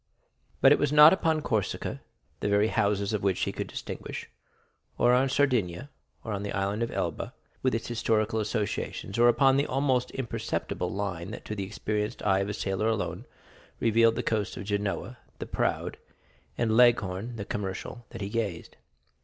But it was not upon Corsica, the very houses of which he could distinguish; or on Sardinia; or on the Island of Elba, with its historical associations; or upon the almost imperceptible line that to the experienced eye of a sailor alone revealed the coast of Genoa the proud, and Leghorn the commercial, that he gazed.